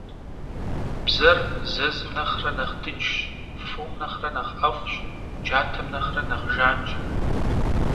Бзэр зэзым нэхърэ нэхъ дыджщ, фом нэхърэ нэхъ ӀэфӀщ, джатэм нэхърэ нэхъ жанщ.